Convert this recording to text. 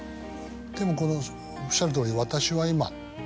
でもこのおっしゃるとおり。